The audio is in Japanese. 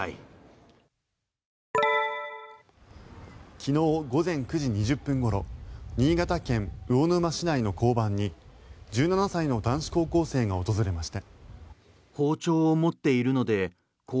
昨日午前９時２０分ごろ新潟県魚沼市内の交番に１７歳の男子高校生が訪れました。